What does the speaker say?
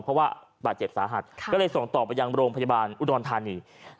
เพราะว่าบาดเจ็บสาหัสก็เลยส่งต่อไปยังโรงพยาบาลอุดรธานี